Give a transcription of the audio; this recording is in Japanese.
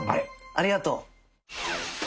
ありがとう！